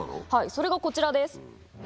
それがこちらです。